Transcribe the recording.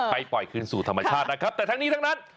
ปล่อยคืนสู่ธรรมชาตินะครับแต่ทั้งนี้ทั้งนั้น